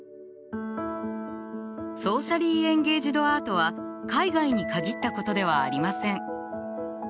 ソーシャリー・エンゲイジド・アートは海外に限ったことではありません。